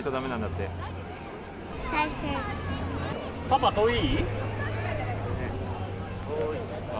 パパ、遠い？